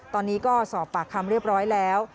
ตอนนี้ก็สอบปากคำเรียบร้อยแล้ว